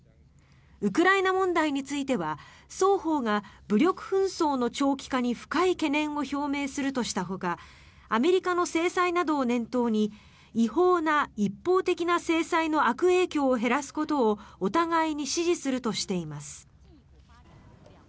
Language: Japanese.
ウクライナ問題については双方が武力紛争の長期化に深い懸念を表明するとしたほかアメリカの制裁などを念頭に違法な一方的な制裁の悪影響を減らすことをお互いに支持するとしています。